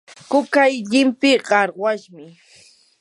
kuyay llimpii qarwashmi.